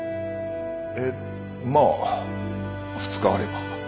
えまあ２日あれば。